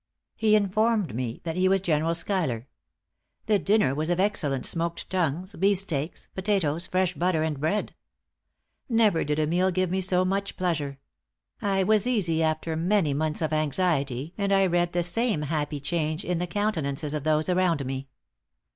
He informed me that he was General Schuyler. The dinner was of excellent smoked tongues, beefsteaks, potatoes, fresh butter, and bread. Never did a meal give me so much pleasure. I was easy after many months of anxiety, and I read the same happy change in the countenances of those around me.